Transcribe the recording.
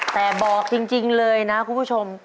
แต่บอกจริงเลยนะคุณผู้ชม